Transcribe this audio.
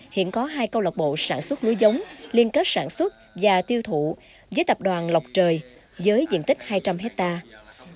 hiện có hai câu lạc bộ sản xuất lúa giống liên kết sản xuất và tiêu thụ với tập đoàn lọc trời với diện tích hai trăm linh hectare